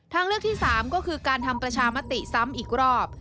ทางเลือกที่๓ก็คือการทำประชามติซ้ำอีกรอบ